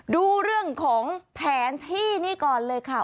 ดูเรื่องของแผนที่นี่ก่อนเลยค่ะ